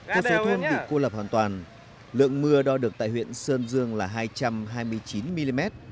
một số thôn bị cô lập hoàn toàn lượng mưa đo được tại huyện sơn dương là hai trăm hai mươi chín mm